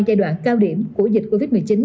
giai đoạn cao điểm của dịch covid một mươi chín